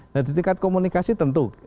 nah di tingkat komunikasi tentu